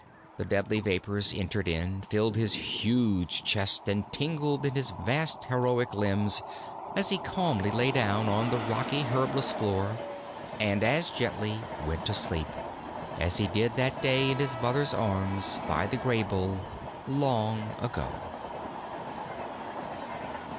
The deadly vapors entered in, filled his huge chest and tingled in his vast, heroic limbs as he calmly lay down on the rocky, herbless floor and as gently went to sleep, as he did that day in his Mother's arms by the Graybull, long ago.